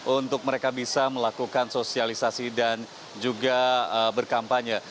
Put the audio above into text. untuk mereka bisa melakukan sosialisasi dan juga berkampanye